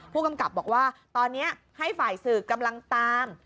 ผู้กำกับบอกว่าตอนนี้ให้ฝ่ายสื่อกำลังตาม